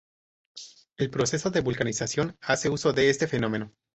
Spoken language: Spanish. El proceso de vulcanización hace uso de este fenómeno.